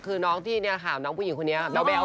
คือน้องที่ถามน้องผู้หญิงคนนี้เบาเบล